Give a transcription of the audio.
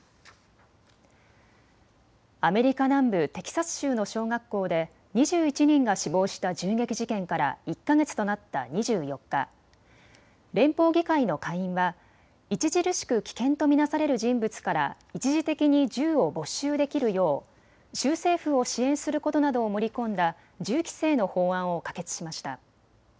アメリカ南部テキサス州の小学校で２１人が死亡した銃撃事件から１か月となった２４日、連邦議会の下院は著しく危険と見なされる人物から一時的に銃を没収できるよう州政府を支援することなどを盛り込んだ銃規制の法案を可決しました。